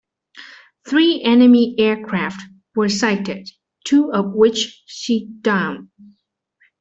Three enemy aircraft were sighted, two of which she downed.